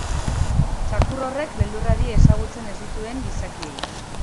Txakur horrek beldurra die ezagutzen ez dituen gizakiei.